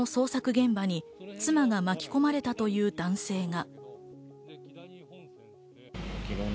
現場に妻が巻き込まれたという男性が。